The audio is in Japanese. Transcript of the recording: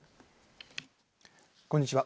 こんにちは。